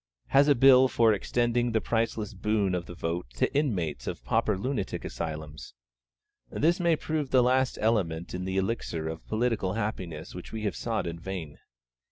has a Bill for extending the priceless boon of the vote to inmates of Pauper Lunatic Asylums? This may prove that last element in the Elixir of political happiness which we have sought in vain.